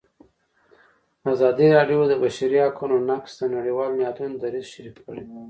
ازادي راډیو د د بشري حقونو نقض د نړیوالو نهادونو دریځ شریک کړی.